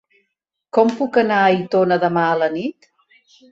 Com puc anar a Aitona demà a la nit?